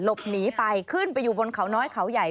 หลบหนีไปขึ้นไปอยู่บนเขาน้อยเขาใหญ่